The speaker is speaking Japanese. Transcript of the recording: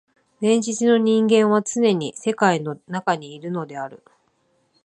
現実の人間はつねに世界の中にいるのである。